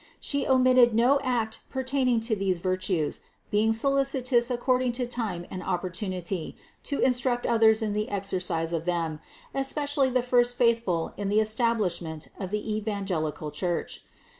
She omitted no act pertaining to these vir tues, being solicitous according to time and opportunity to instruct others in the exercise of them, especially the first faithful in the establishment of the evangelical Church.